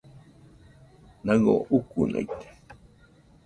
Naɨio ukunaite